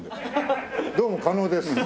どうも加納です。